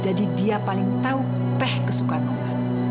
jadi dia paling tahu teh kesukaan oma